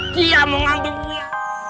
dia mau ngantuk gue